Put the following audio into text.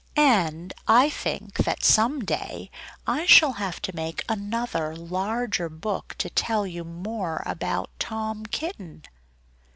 And I think that some day I shall have to make another, larger, book, to tell you more about Tom Kitten!